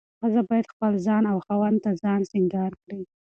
ښځه باید خپل ځان او خاوند ته ځان سينګار کړي.